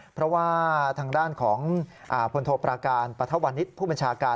เพราะว่าทางด้านของพลโทปราการปฐวนิษฐ์ผู้บัญชาการ